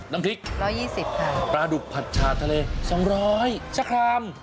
น้ำทริก๑๒๐ค่ะปลาดุกผัดชาทะเล๒๐๐ชะคราม